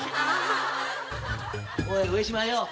おい上島よ。